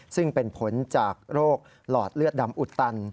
ซึ่งเป็นผลจากโรคหลอดเลือดดำอุดตัน